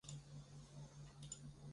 不行，不能放弃